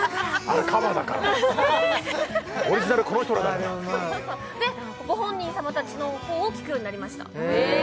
「これカバーだからオリジナルこの人らだから」でご本人様達の方を聴くようになりましたへえ